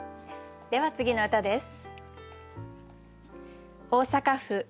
では次の歌です。